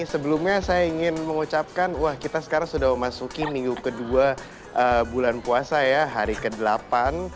sebelumnya saya ingin mengucapkan wah kita sekarang sudah memasuki minggu kedua bulan puasa ya hari ke delapan